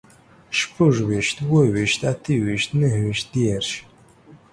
شپږويشت، اووه ويشت، اته ويشت، نهه ويشت، دېرش